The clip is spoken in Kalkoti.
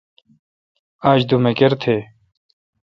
یا آج دومکر تھے°۔